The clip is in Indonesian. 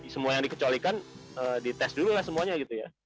semua yang dikecualikan dites dulu lah semuanya gitu ya